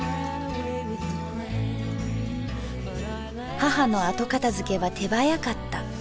「母のあとかたづけは手早かった。